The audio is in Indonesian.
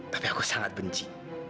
tapi aku sangat benci